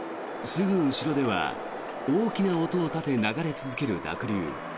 すぐ後ろでは大きな音を立て流れ続ける濁流。